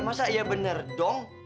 masa ya bener dong